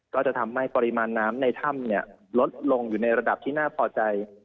ก็จะทำให้ปริมาณน้ำในถ้ำลดลงอยู่ในระดับที่น่าพอใจ